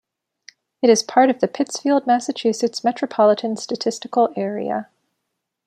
It is part of the Pittsfield, Massachusetts Metropolitan Statistical Area.